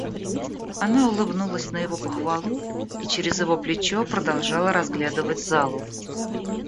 Она улыбнулась на его похвалу и через его плечо продолжала разглядывать залу.